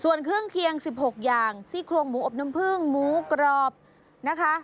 ส่วนเครื่องเคียง๑๖อย่างซี่โครงหมูอบน้ำผึ้งหมูกรอบนะคะ